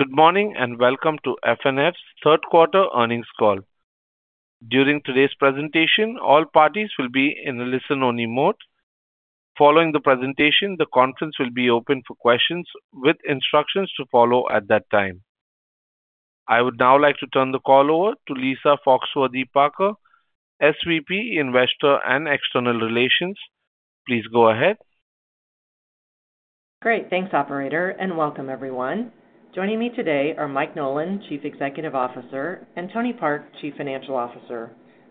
Good morning and welcome to FNF's Third Quarter Earnings Call. During today's presentation, all parties will be in a listen-only mode. Following the presentation, the conference will be open for questions, with instructions to follow at that time. I would now like to turn the call over to Lisa Foxworthy-Parker, SVP in Investor and External Relations. Please go ahead. Great, thanks Operator, and welcome everyone. Joining me today are Mike Nolan, Chief Executive Officer, and Tony Park, Chief Financial Officer.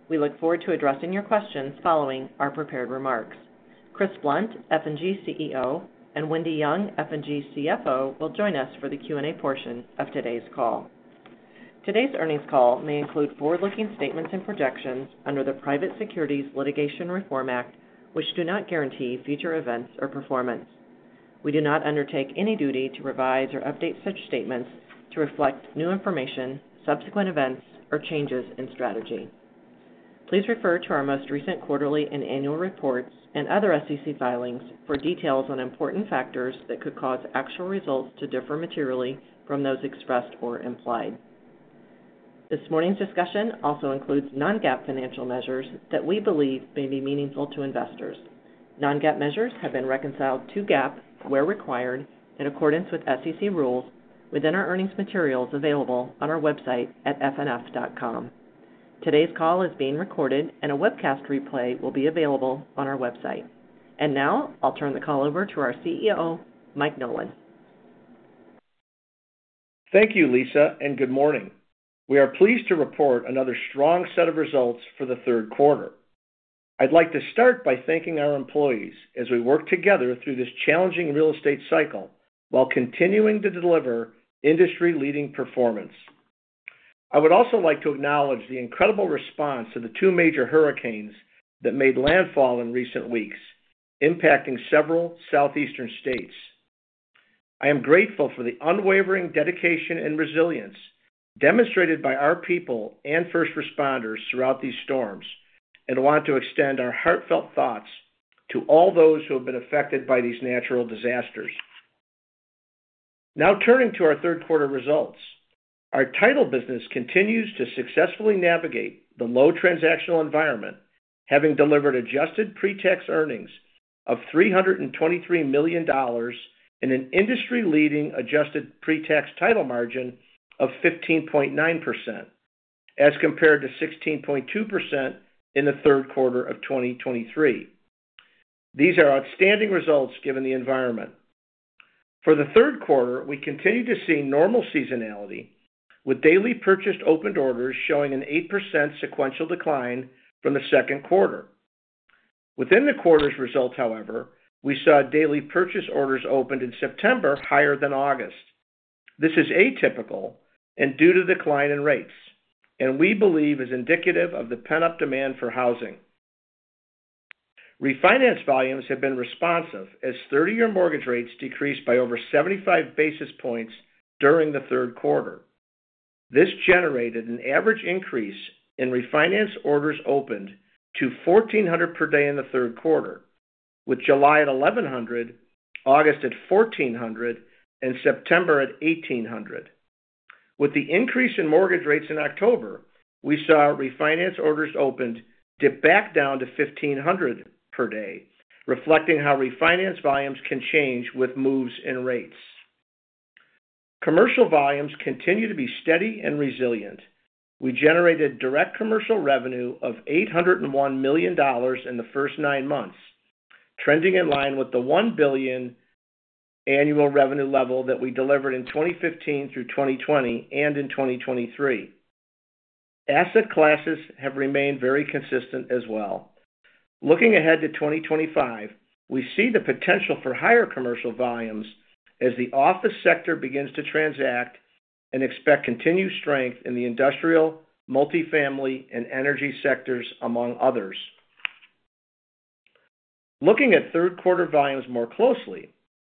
We look forward to addressing your questions following our prepared remarks. Chris Blunt, F&G CEO, and Wendy Young, F&G CFO, will join us for the Q&A portion of today's call. Today's earnings call may include forward-looking statements and projections under the Private Securities Litigation Reform Act, which do not guarantee future events or performance. We do not undertake any duty to revise or update such statements to reflect new information, subsequent events, or changes in strategy. Please refer to our most recent quarterly and annual reports and other SEC filings for details on important factors that could cause actual results to differ materially from those expressed or implied. This morning's discussion also includes non-GAAP financial measures that we believe may be meaningful to investors. Non-GAAP measures have been reconciled to GAAP where required, in accordance with SEC rules, within our earnings materials available on our website at fnf.com. Today's call is being recorded, and a webcast replay will be available on our website. And now, I'll turn the call over to our CEO, Mike Nolan. Thank you, Lisa, and good morning. We are pleased to report another strong set of results for the third quarter. I'd like to start by thanking our employees as we work together through this challenging real estate cycle while continuing to deliver industry-leading performance. I would also like to acknowledge the incredible response to the two major hurricanes that made landfall in recent weeks, impacting several southeastern states. I am grateful for the unwavering dedication and resilience demonstrated by our people and first responders throughout these storms, and want to extend our heartfelt thoughts to all those who have been affected by these natural disasters. Now turning to our third quarter results, our title business continues to successfully navigate the low transactional environment, having delivered adjusted pre-tax earnings of $323 million and an industry-leading adjusted pre-tax title margin of 15.9%, as compared to 16.2% in the third quarter of 2023. These are outstanding results given the environment. For the third quarter, we continue to see normal seasonality, with daily purchased opened orders showing an 8% sequential decline from the second quarter. Within the quarter's results, however, we saw daily purchase orders opened in September higher than August. This is atypical and due to the decline in rates, and we believe is indicative of the pent-up demand for housing. Refinance volumes have been responsive as 30-year mortgage rates decreased by over 75 basis points during the third quarter. This generated an average increase in refinance orders opened to 1,400 per day in the third quarter, with July at 1,100, August at 1,400, and September at 1,800. With the increase in mortgage rates in October, we saw refinance orders opened dip back down to 1,500 per day, reflecting how refinance volumes can change with moves in rates. Commercial volumes continue to be steady and resilient. We generated direct commercial revenue of $801 million in the first nine months, trending in line with the $1 billion annual revenue level that we delivered in 2015 through 2020 and in 2023. Asset classes have remained very consistent as well. Looking ahead to 2025, we see the potential for higher commercial volumes as the office sector begins to transact and expect continued strength in the industrial, multifamily, and energy sectors, among others. Looking at third quarter volumes more closely,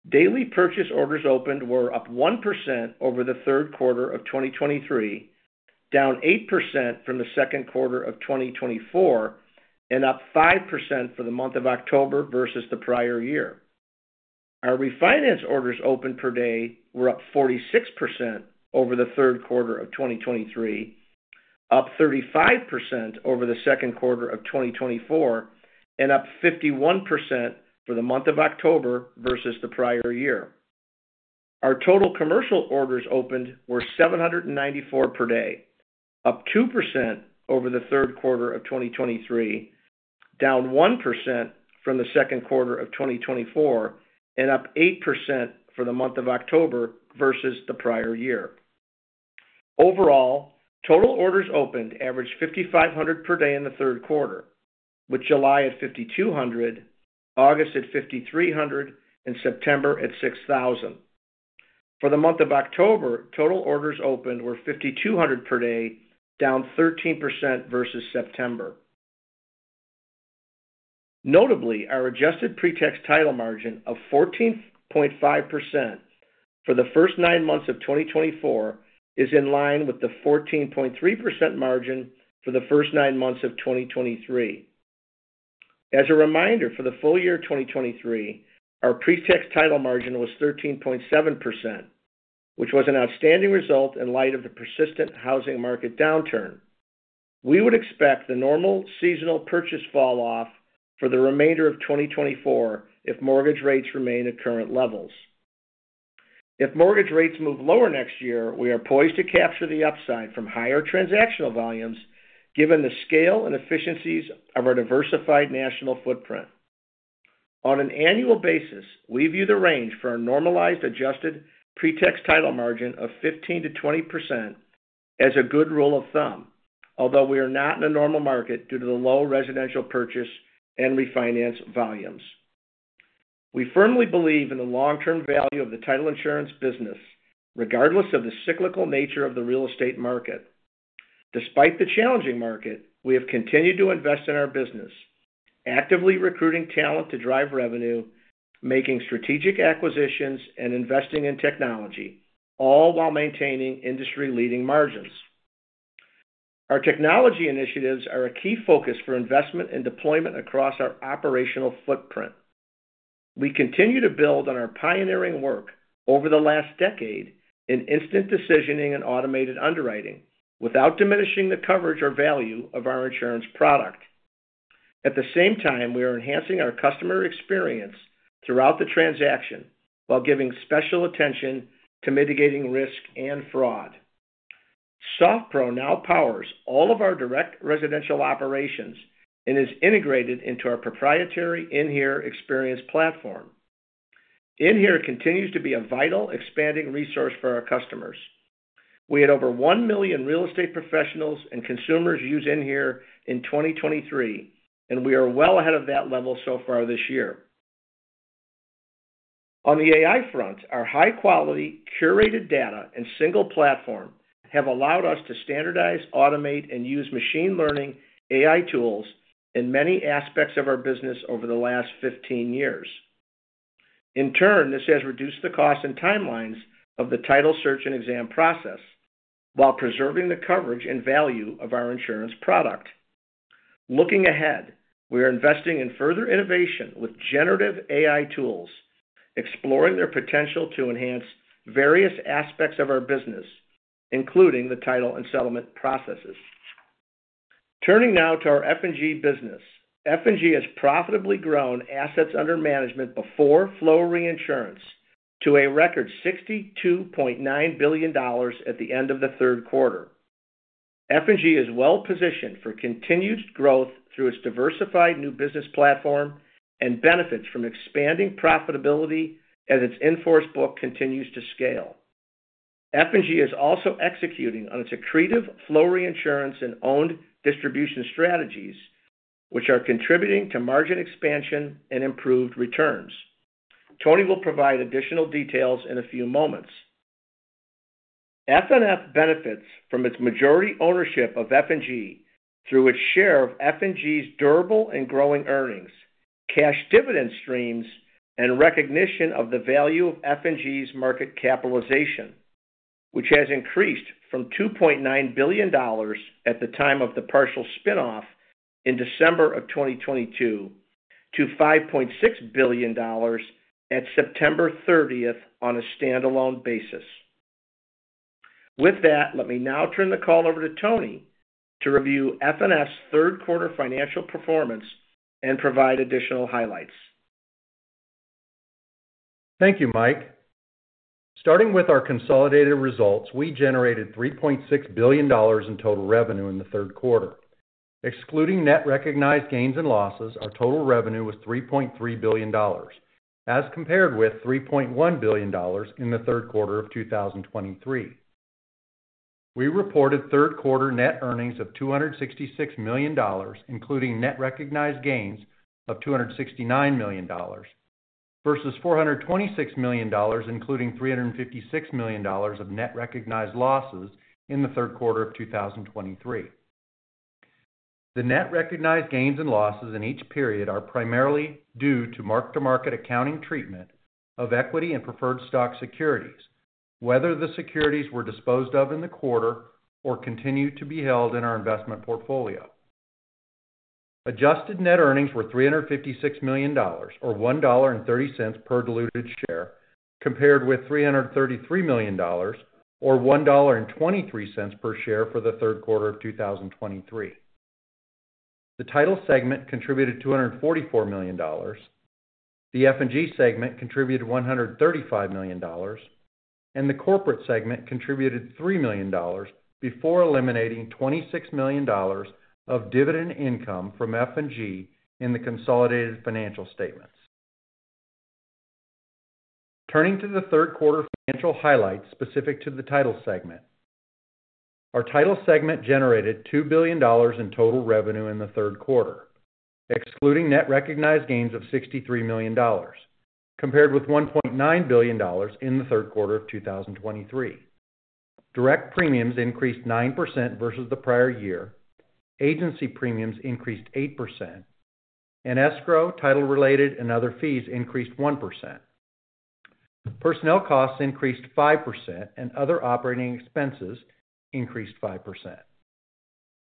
daily purchase orders opened were up 1% over the third quarter of 2023, down 8% from the second quarter of 2024, and up 5% for the month of October versus the prior year. Our refinance orders opened per day were up 46% over the third quarter of 2023, up 35% over the second quarter of 2024, and up 51% for the month of October versus the prior year. Our total commercial orders opened were 794 per day, up 2% over the third quarter of 2023, down 1% from the second quarter of 2024, and up 8% for the month of October versus the prior year. Overall, total orders opened averaged 5,500 per day in the third quarter, with July at 5,200, August at 5,300, and September at 6,000. For the month of October, total orders opened were 5,200 per day, down 13% versus September. Notably, our adjusted pre-tax title margin of 14.5% for the first nine months of 2024 is in line with the 14.3% margin for the first nine months of 2023. As a reminder, for the full year 2023, our pre-tax title margin was 13.7%, which was an outstanding result in light of the persistent housing market downturn. We would expect the normal seasonal purchase falloff for the remainder of 2024 if mortgage rates remain at current levels. If mortgage rates move lower next year, we are poised to capture the upside from higher transactional volumes given the scale and efficiencies of our diversified national footprint. On an annual basis, we view the range for a normalized adjusted pre-tax title margin of 15%-20% as a good rule of thumb, although we are not in a normal market due to the low residential purchase and refinance volumes. We firmly believe in the long-term value of the title insurance business, regardless of the cyclical nature of the real estate market. Despite the challenging market, we have continued to invest in our business, actively recruiting talent to drive revenue, making strategic acquisitions, and investing in technology, all while maintaining industry-leading margins. Our technology initiatives are a key focus for investment and deployment across our operational footprint. We continue to build on our pioneering work over the last decade in instant decisioning and automated underwriting, without diminishing the coverage or value of our insurance product. At the same time, we are enhancing our customer experience throughout the transaction while giving special attention to mitigating risk and fraud. SoftPro now powers all of our direct residential operations and is integrated into our proprietary inHere experience platform. inHere continues to be a vital expanding resource for our customers. We had over one million real estate professionals and consumers use inHere in 2023, and we are well ahead of that level so far this year. On the AI front, our high-quality curated data and single platform have allowed us to standardize, automate, and use machine learning AI tools in many aspects of our business over the last 15 years. In turn, this has reduced the cost and timelines of the title search and exam process while preserving the coverage and value of our insurance product. Looking ahead, we are investing in further innovation with generative AI tools, exploring their potential to enhance various aspects of our business, including the title and settlement processes. Turning now to our F&G business, F&G has profitably grown assets under management before Flow Reinsurance to a record $62.9 billion at the end of the third quarter. F&G is well positioned for continued growth through its diversified new business platform and benefits from expanding profitability as its invoice book continues to scale. F&G is also executing on its accretive Flow Reinsurance and owned distribution strategies, which are contributing to margin expansion and improved returns. Tony will provide additional details in a few moments. FNF benefits from its majority ownership of F&G through its share of F&G's durable and growing earnings, cash dividend streams, and recognition of the value of F&G's market capitalization, which has increased from $2.9 billion at the time of the partial spinoff in December of 2022 to $5.6 billion at September 30th on a standalone basis. With that, let me now turn the call over to Tony to review FNF's third quarter financial performance and provide additional highlights. Thank you, Mike. Starting with our consolidated results, we generated $3.6 billion in total revenue in the third quarter. Excluding net recognized gains and losses, our total revenue was $3.3 billion, as compared with $3.1 billion in the third quarter of 2023. We reported third quarter net earnings of $266 million, including net recognized gains of $269 million, versus $426 million, including $356 million of net recognized losses in the third quarter of 2023. The net recognized gains and losses in each period are primarily due to mark-to-market accounting treatment of equity and preferred stock securities, whether the securities were disposed of in the quarter or continued to be held in our investment portfolio. Adjusted net earnings were $356 million, or $1.30 per diluted share, compared with $333 million, or $1.23 per share for the third quarter of 2023. The title segment contributed $244 million, the F&G segment contributed $135 million, and the corporate segment contributed $3 million before eliminating $26 million of dividend income from F&G in the consolidated financial statements. Turning to the third quarter financial highlights specific to the title segment, our title segment generated $2 billion in total revenue in the third quarter, excluding net recognized gains of $63 million, compared with $1.9 billion in the third quarter of 2023. Direct premiums increased 9% versus the prior year, agency premiums increased 8%, and escrow, title-related, and other fees increased 1%. Personnel costs increased 5%, and other operating expenses increased 5%.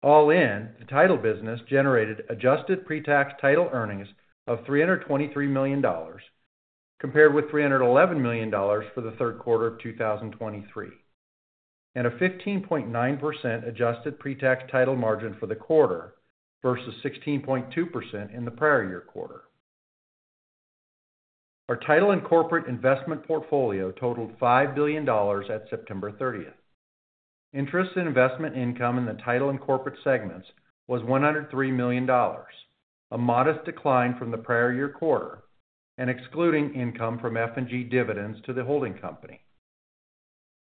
All in, the title business generated adjusted pre-tax title earnings of $323 million, compared with $311 million for the third quarter of 2023, and a 15.9% adjusted pre-tax title margin for the quarter versus 16.2% in the prior year quarter. Our title and corporate investment portfolio totaled $5 billion at September 30th. Interest in investment income in the title and corporate segments was $103 million, a modest decline from the prior year quarter, and excluding income from F&G dividends to the holding company.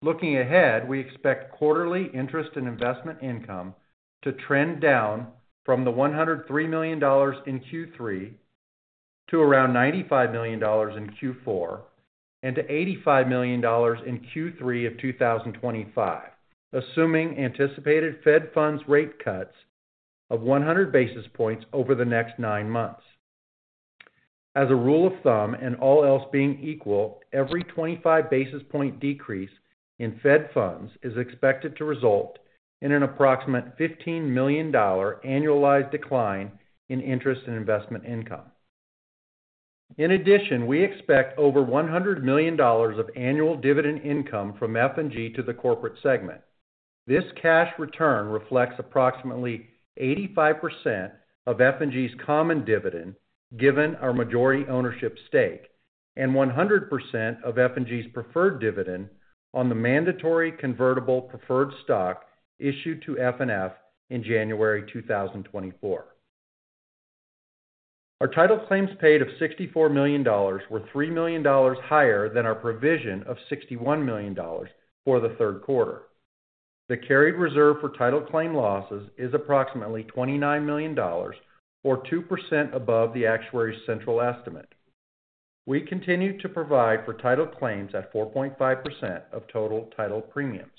Looking ahead, we expect quarterly interest in investment income to trend down from the $103 million in Q3 to around $95 million in Q4 and to $85 million in Q3 of 2025, assuming anticipated Fed funds rate cuts of 100 basis points over the next nine months. As a rule of thumb, and all else being equal, every 25 basis point decrease in Fed funds is expected to result in an approximate $15 million annualized decline in interest in investment income. In addition, we expect over $100 million of annual dividend income from F&G to the corporate segment. This cash return reflects approximately 85% of F&G's common dividend, given our majority ownership stake, and 100% of F&G's preferred dividend on the mandatory convertible preferred stock issued to FNF in January 2024. Our title claims paid of $64 million were $3 million higher than our provision of $61 million for the third quarter. The carried reserve for title claim losses is approximately $29 million, or 2% above the actuary's central estimate. We continue to provide for title claims at 4.5% of total title premiums.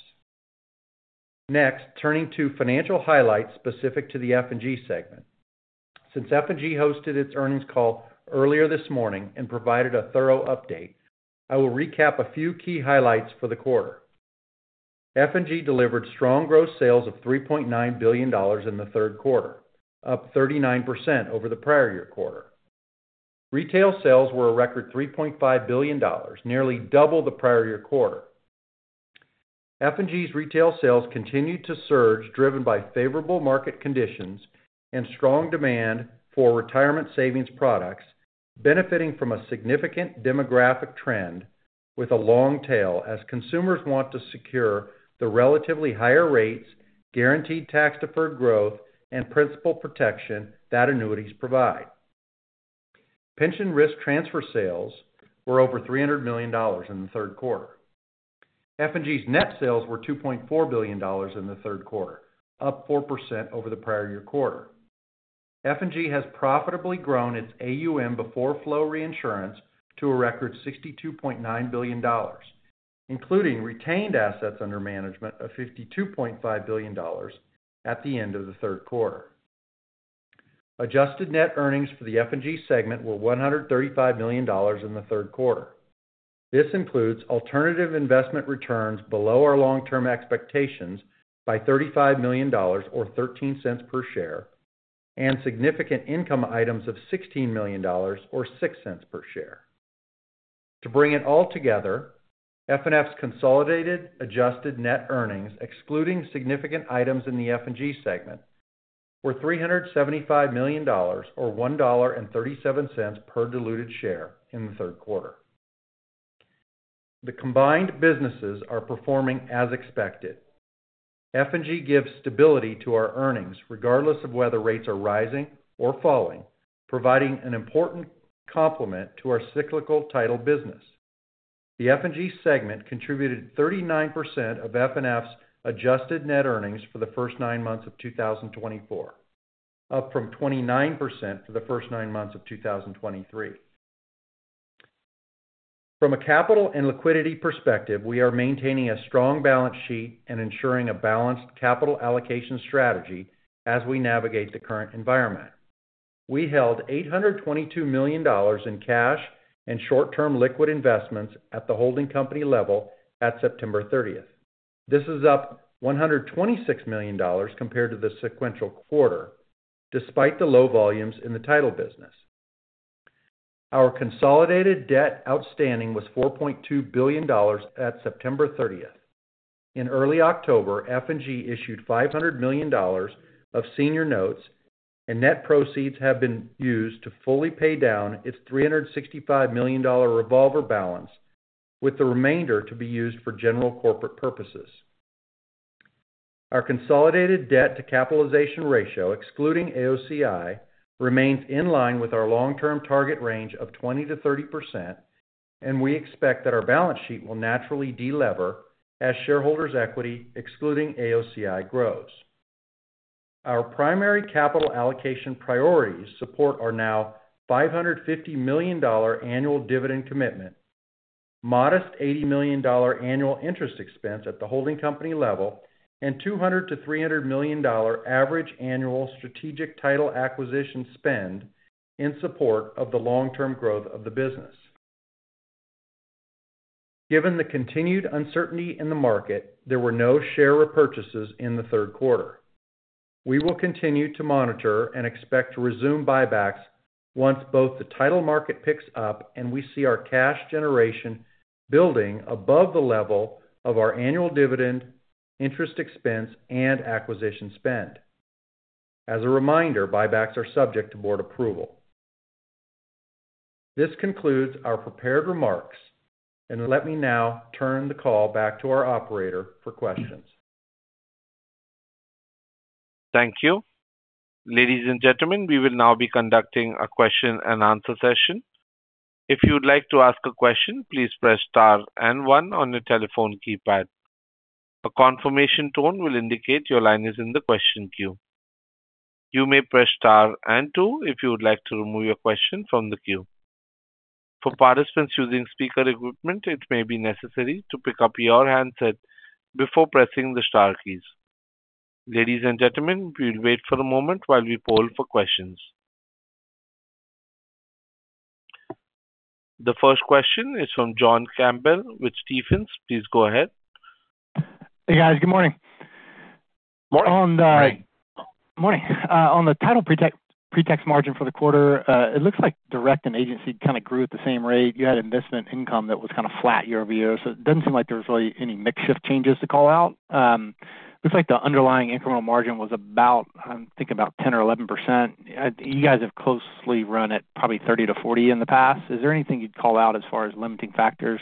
Next, turning to financial highlights specific to the F&G segment. Since F&G hosted its earnings call earlier this morning and provided a thorough update, I will recap a few key highlights for the quarter. F&G delivered strong gross sales of $3.9 billion in the third quarter, up 39% over the prior year quarter. Retail sales were a record $3.5 billion, nearly double the prior-year quarter. F&G's retail sales continued to surge, driven by favorable market conditions and strong demand for retirement savings products, benefiting from a significant demographic trend with a long tail as consumers want to secure the relatively higher rates, guaranteed tax-deferred growth, and principal protection that annuities provide. Pension risk transfer sales were over $300 million in the third quarter. F&G's net sales were $2.4 billion in the third quarter, up 4% over the prior-year quarter. F&G has profitably grown its AUM before Flow Reinsurance to a record $62.9 billion, including retained assets under management of $52.5 billion at the end of the third quarter. Adjusted net earnings for the F&G segment were $135 million in the third quarter. This includes alternative investment returns below our long-term expectations by $35 million, or 13 cents per share, and significant income items of $16 million, or 6 cents per share. To bring it all together, FNF's consolidated adjusted net earnings, excluding significant items in the F&G segment, were $375 million, or $1.37 per diluted share in the third quarter. The combined businesses are performing as expected. F&G gives stability to our earnings regardless of whether rates are rising or falling, providing an important complement to our cyclical title business. The F&G segment contributed 39% of FNF's adjusted net earnings for the first nine months of 2024, up from 29% for the first nine months of 2023. From a capital and liquidity perspective, we are maintaining a strong balance sheet and ensuring a balanced capital allocation strategy as we navigate the current environment. We held $822 million in cash and short-term liquid investments at the holding company level at September 30th. This is up $126 million compared to the sequential quarter, despite the low volumes in the title business. Our consolidated debt outstanding was $4.2 billion at September 30th. In early October, F&G issued $500 million of senior notes, and net proceeds have been used to fully pay down its $365 million revolver balance, with the remainder to be used for general corporate purposes. Our consolidated debt-to-capitalization ratio, excluding AOCI, remains in line with our long-term target range of 20%-30%, and we expect that our balance sheet will naturally de-lever as shareholders' equity, excluding AOCI, grows. Our primary capital allocation priorities support our now $550 million annual dividend commitment, modest $80 million annual interest expense at the holding company level, and $200-$300 million average annual strategic title acquisition spend in support of the long-term growth of the business. Given the continued uncertainty in the market, there were no share repurchases in the third quarter. We will continue to monitor and expect to resume buybacks once both the title market picks up and we see our cash generation building above the level of our annual dividend, interest expense, and acquisition spend. As a reminder, buybacks are subject to board approval. This concludes our prepared remarks, and let me now turn the call back to our operator for questions. Thank you. Ladies and gentlemen, we will now be conducting a question-and-answer session. If you would like to ask a question, please press star and one on your telephone keypad. A confirmation tone will indicate your line is in the question queue. You may press star and two if you would like to remove your question from the queue. For participants using speaker equipment, it may be necessary to pick up your handset before pressing the star keys. Ladies and gentlemen, we'll wait for a moment while we poll for questions. The first question is from John Campbell with Stephens. Please go ahead. Hey, guys. Good morning. Morning. On the. Morning. Morning. On the title pre-tax margin for the quarter, it looks like direct and agency kind of grew at the same rate. You had investment income that was kind of flat year-over-year, so it doesn't seem like there was really any meaningful changes to call out. It looks like the underlying incremental margin was about, I'm thinking, about 10% or 11%. You guys have typically run at probably 30%-40% in the past. Is there anything you'd call out as far as limiting factors?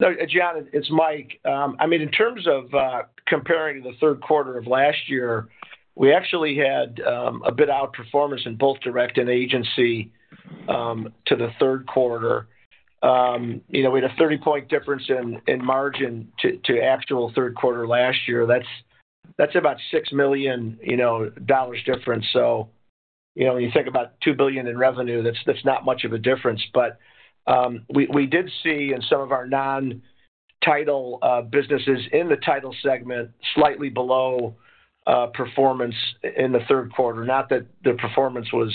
No, John, it's Mike. I mean, in terms of comparing to the third quarter of last year, we actually had a bit of outperformance in both direct and agency to the third quarter. We had a 30-point difference in margin to actual third quarter last year. That's about $6 million difference. So when you think about $2 billion in revenue, that's not much of a difference. But we did see in some of our non-title businesses in the title segment slightly below performance in the third quarter. Not that the performance was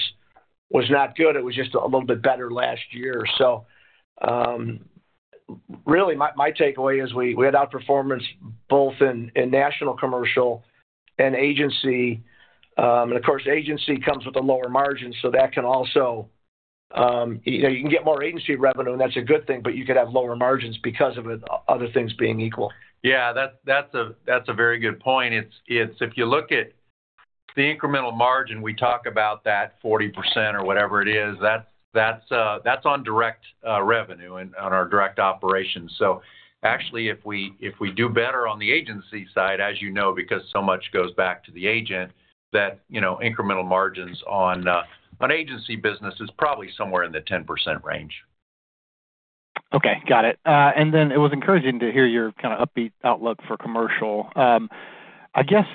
not good; it was just a little bit better last year. So really, my takeaway is we had outperformance both in national, commercial, and agency. And of course, agency comes with a lower margin, so that can also, you can get more agency revenue, and that's a good thing, but you could have lower margins because of other things being equal. Yeah, that's a very good point. If you look at the incremental margin, we talk about that 40% or whatever it is. That's on direct revenue and on our direct operations. So actually, if we do better on the agency side, as you know, because so much goes back to the agent, that incremental margins on agency business is probably somewhere in the 10% range. Okay. Got it. And then it was encouraging to hear your kind of upbeat outlook for commercial. I guess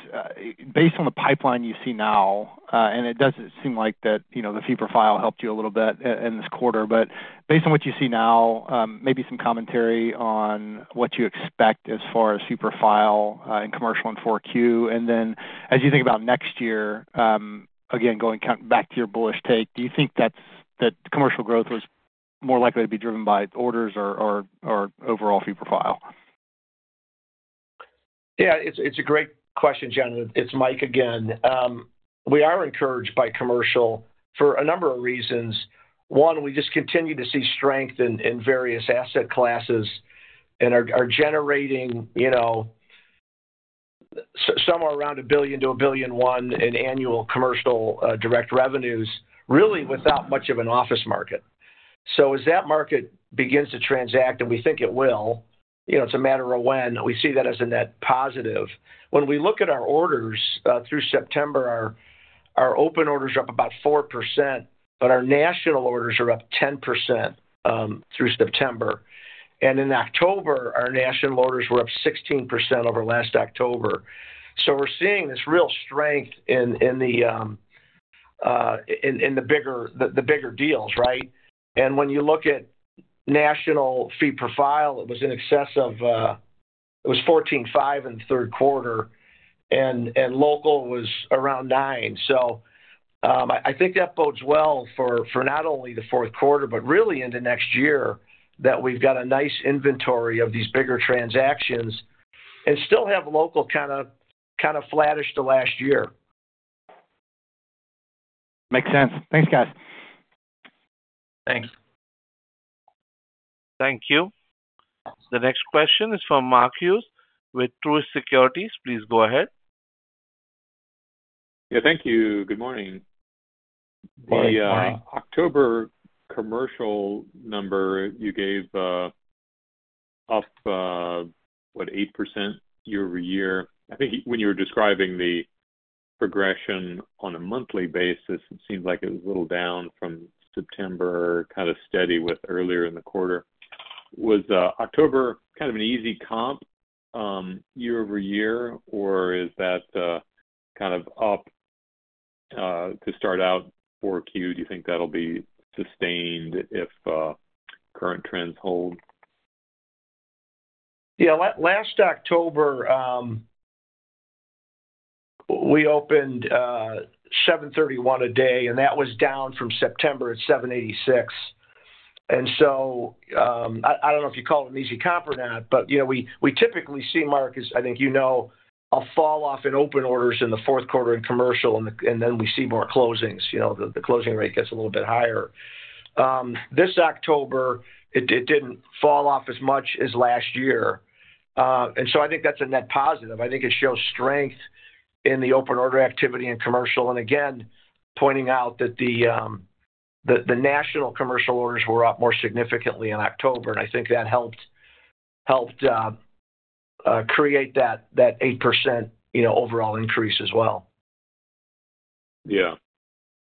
based on the pipeline you see now, and it doesn't seem like the fee profile helped you a little bit in this quarter, but based on what you see now, maybe some commentary on what you expect as far as fee profile and commercial in 4Q. And then as you think about next year, again, going back to your bullish take, do you think that commercial growth was more likely to be driven by orders or overall fee profile? Yeah, it's a great question, John. It's Mike again. We are encouraged by commercial for a number of reasons. One, we just continue to see strength in various asset classes and are generating somewhere around $1 billion-$1.1 billion in annual commercial direct revenues, really without much of an office market. So as that market begins to transact, and we think it will, it's a matter of when, we see that as a net positive. When we look at our orders through September, our open orders are up about 4%, but our national orders are up 10% through September. And in October, our national orders were up 16% over last October. So we're seeing this real strength in the bigger deals, right? And when you look at national fee profile, it was 14.5 in the third quarter, and local was around 9. So I think that bodes well for not only the fourth quarter, but really into next year that we've got a nice inventory of these bigger transactions and still have local kind of flattish to last year. Makes sense. Thanks, guys. Thanks. Thank you. The next question is from Mark Hughes with Truist Securities. Please go ahead. Yeah, thank you. Good morning. Morning. The October commercial number you gave up, what, 8% year-over-year. I think when you were describing the progression on a monthly basis, it seemed like it was a little down from September, kind of steady with earlier in the quarter. Was October kind of an easy comp year-over-year, or is that kind of up to start out 4Q? Do you think that'll be sustained if current trends hold? Yeah. Last October, we opened 731 a day, and that was down from September at 786. And so I don't know if you call it an easy comp or not, but we typically see markets, I think you know, a fall off in open orders in the fourth quarter in commercial, and then we see more closings. The closing rate gets a little bit higher. This October, it didn't fall off as much as last year. And so I think that's a net positive. I think it shows strength in the open order activity in commercial. And again, pointing out that the national commercial orders were up more significantly in October, and I think that helped create that 8% overall increase as well. Yeah.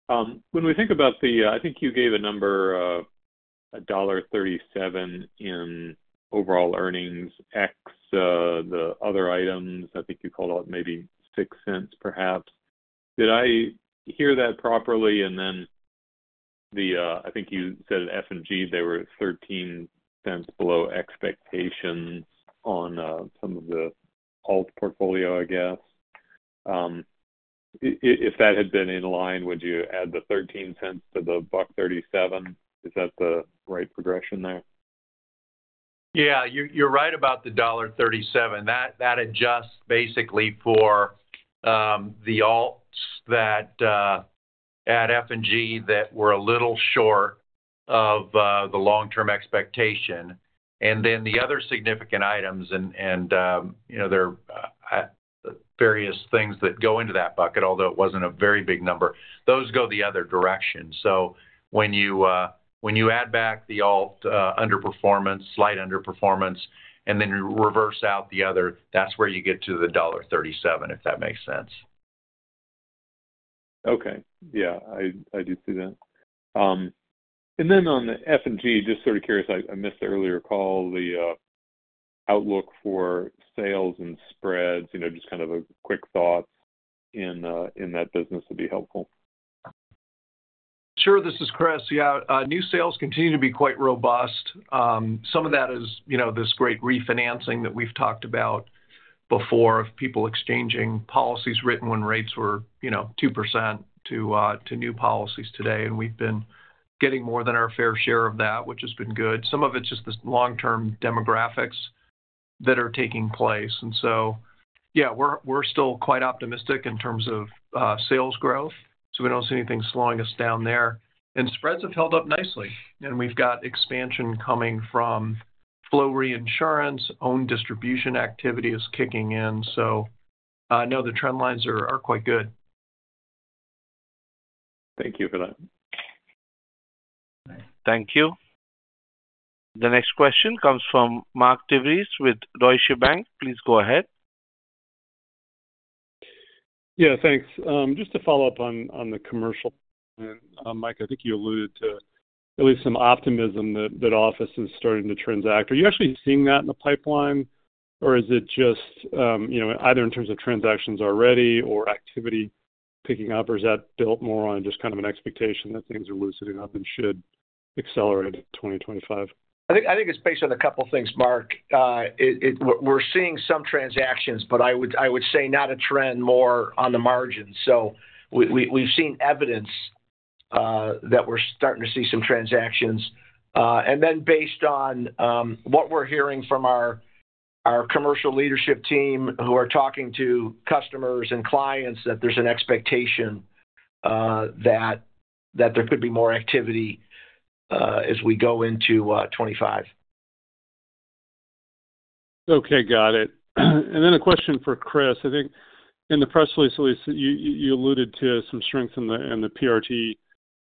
When we think about the, I think you gave a number of $1.37 in overall earnings X the other items. I think you called out maybe $0.06, perhaps. Did I hear that properly? And then I think you said at F&G they were $0.13 below expectations on some of the alt portfolio, I guess. If that had been in line, would you add the $0.13 to the buck 37? Is that the right progression there? Yeah. You're right about the $1.37. That adjusts basically for the alts at F&G that were a little short of the long-term expectation. And then the other significant items, and there are various things that go into that bucket, although it wasn't a very big number, those go the other direction. So when you add back the alt underperformance, slight underperformance, and then you reverse out the other, that's where you get to the $1.37, if that makes sense. Okay. Yeah, I do see that. And then on the F&G, just sort of curious, I missed the earlier call. The outlook for sales and spreads, just kind of a quick thought in that business would be helpful. Sure. This is Chris. Yeah. New sales continue to be quite robust. Some of that is this great refinancing that we've talked about before of people exchanging policies written when rates were 2% to new policies today. And we've been getting more than our fair share of that, which has been good. Some of it's just the long-term demographics that are taking place. And so, yeah, we're still quite optimistic in terms of sales growth. So we don't see anything slowing us down there. And spreads have held up nicely. And we've got expansion coming from Flow Reinsurance. Our own distribution activity is kicking in. So I know the trend lines are quite good. Thank you for that. Thank you. The next question comes from Mark DeVries with Deutsche Bank. Please go ahead. Yeah, thanks. Just to follow up on the commercial, Mike, I think you alluded to at least some optimism that office is starting to transact. Are you actually seeing that in the pipeline, or is it just either in terms of transactions already or activity picking up, or is that built more on just kind of an expectation that things are loosening up and should accelerate in 2025? I think it's based on a couple of things, Mark. We're seeing some transactions, but I would say not a trend more on the margins. So we've seen evidence that we're starting to see some transactions. And then based on what we're hearing from our commercial leadership team who are talking to customers and clients, that there's an expectation that there could be more activity as we go into 2025. Okay. Got it. And then a question for Chris. I think in the press release, at least, you alluded to some strength in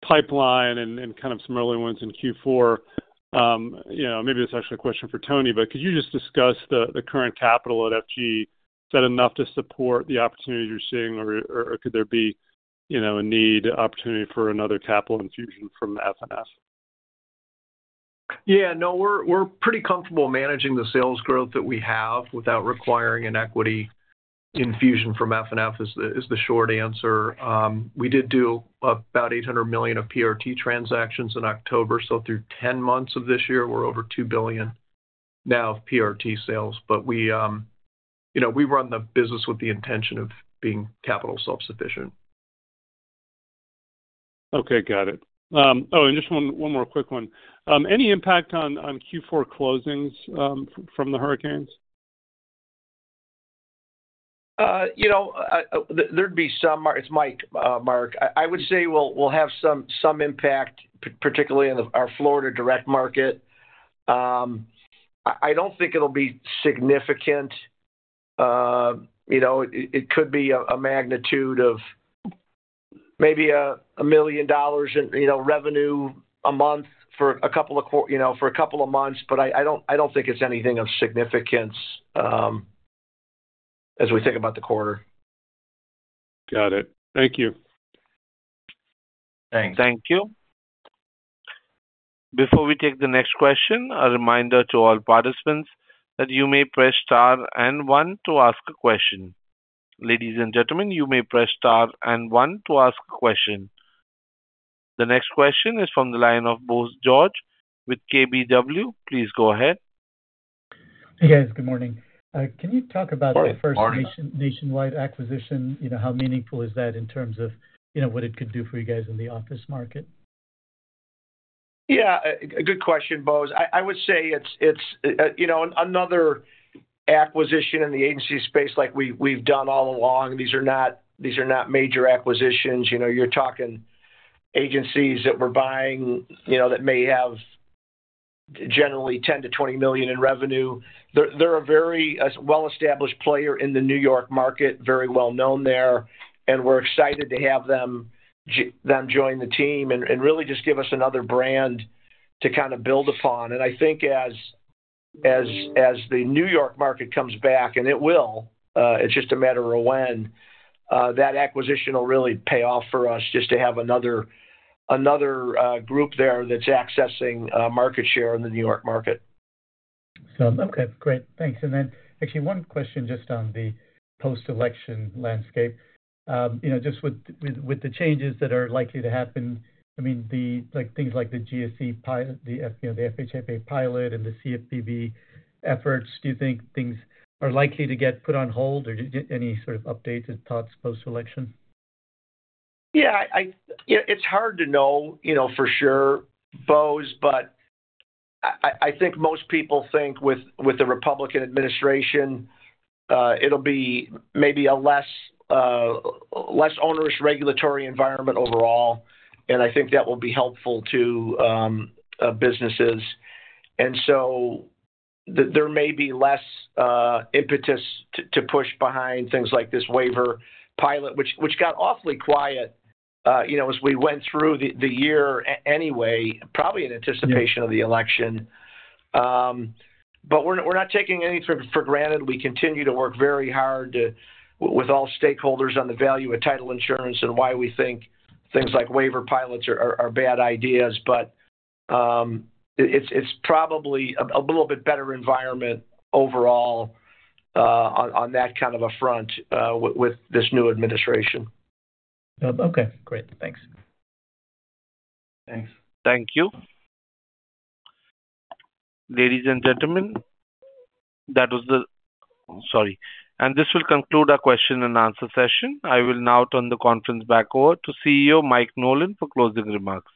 the PRT pipeline and kind of some early ones in Q4. Maybe it's actually a question for Tony, but could you just discuss the current capital at F&G? Is that enough to support the opportunity you're seeing, or could there be a need, opportunity for another capital infusion from FNF? Yeah. No, we're pretty comfortable managing the sales growth that we have without requiring an equity infusion from FNF, is the short answer. We did do about $800 million of PRT transactions in October. So through 10 months of this year, we're over $2 billion now of PRT sales. But we run the business with the intention of being capital self-sufficient. Okay. Got it. Oh, and just one more quick one. Any impact on Q4 closings from the hurricanes? There'd be some. It's Mike, Mark. I would say we'll have some impact, particularly in our Florida direct market. I don't think it'll be significant. It could be a magnitude of maybe $1 million in revenue a month for a couple of months, but I don't think it's anything of significance as we think about the quarter. Got it. Thank you. Thanks. Thank you. Before we take the next question, a reminder to all participants that you may press star and one to ask a question. Ladies and gentlemen, you may press star and one to ask a question. The next question is from the line of Bose George with KBW. Please go ahead. Hey, guys. Good morning. Can you talk about that First Nationwide acquisition? How meaningful is that in terms of what it could do for you guys in the office market? Yeah. Good question, Bose. I would say it's another acquisition in the agency space like we've done all along. These are not major acquisitions. You're talking agencies that we're buying that may have generally 10-20 million in revenue. They're a very well-established player in the New York market, very well-known there. And we're excited to have them join the team and really just give us another brand to kind of build upon. And I think as the New York market comes back, and it will, it's just a matter of when, that acquisition will really pay off for us just to have another group there that's accessing market share in the New York market. Okay. Great. Thanks. And then, actually, one question just on the post-election landscape. Just with the changes that are likely to happen, I mean, things like the GSE pilot, the FHFA pilot, and the CFPB efforts, do you think things are likely to get put on hold or any sort of updates and thoughts post-election? Yeah. It's hard to know for sure, Bose, but I think most people think with the Republican Administration, it'll be maybe a less onerous regulatory environment overall. And I think that will be helpful to businesses. And so there may be less impetus to push behind things like this waiver pilot, which got awfully quiet as we went through the year anyway, probably in anticipation of the election. But we're not taking anything for granted. We continue to work very hard with all stakeholders on the value of title insurance and why we think things like waiver pilots are bad ideas. But it's probably a little bit better environment overall on that kind of a front with this new administration. Yep. Okay. Great. Thanks. Thanks. Thank you. Ladies and gentlemen, that was the - sorry, and this will conclude our question and answer session. I will now turn the conference back over to CEO Mike Nolan for closing remarks.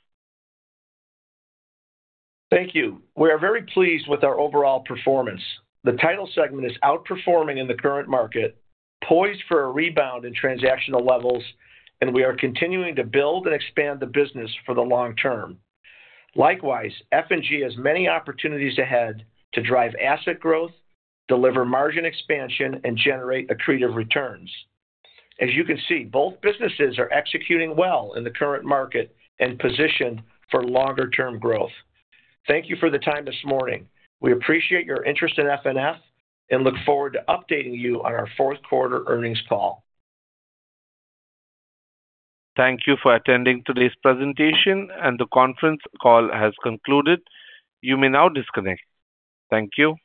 Thank you. We are very pleased with our overall performance. The title segment is outperforming in the current market, poised for a rebound in transactional levels, and we are continuing to build and expand the business for the long term. Likewise, F&G has many opportunities ahead to drive asset growth, deliver margin expansion, and generate accretive returns. As you can see, both businesses are executing well in the current market and positioned for longer-term growth. Thank you for the time this morning. We appreciate your interest in FNF and look forward to updating you on our fourth quarter earnings call. Thank you for attending today's presentation, and the conference call has concluded. You may now disconnect. Thank you.